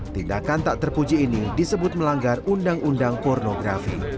tindakan tak terpuji ini disebut melanggar undang undang pornografi